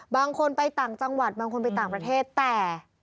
บางคนไปต่างจังหวัดบางคนไปต่างประเทศแต่